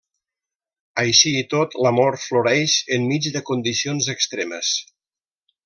Així i tot, l'amor floreix enmig de condicions extremes.